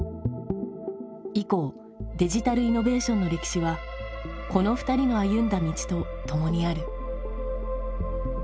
以降デジタルイノベーションの歴史はこの２人の歩んだ道と共にある。